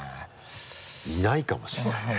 いないかもしれないね。